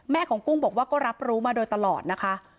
ของกุ้งบอกว่าก็รับรู้มาโดยตลอดนะคะ